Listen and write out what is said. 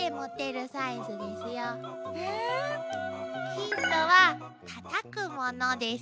ヒントはたたくものです。